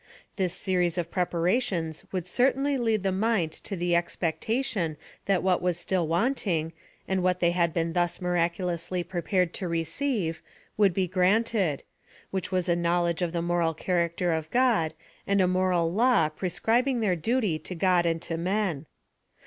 This series of preparations would certainly lead the mind to the expectation that what was still wanting, and what they had been thus miraculously prepared to receive, would be granted — which was a knowledge of the moral character of God, and a moral law prescribing their duty to God and to men.